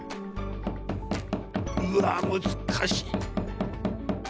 うわ難しい。